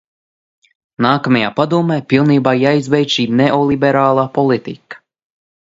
Nākamajā Padomē pilnībā jāizbeidz šī neoliberālā politika.